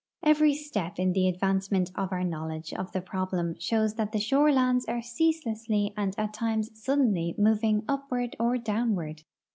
Every step in the advancement of our knowledge of the problem shows that the shore lands are ceaselessly and at times suddenl}^ moving upward or downward.